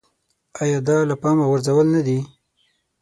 ایا دا له پامه غورځول نه دي.